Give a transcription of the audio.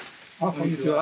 こんにちは。